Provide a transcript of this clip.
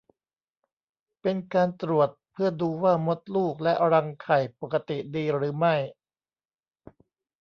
เป็นการตรวจเพื่อดูว่ามดลูกและรังไข่ปกติดีหรือไม่